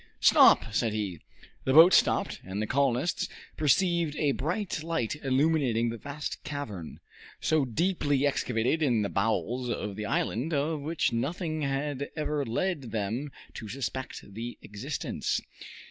"Stop!" said he. The boat stopped, and the colonists perceived a bright light illuminating the vast cavern, so deeply excavated in the bowels of the island, of which nothing had ever led them to suspect the existence.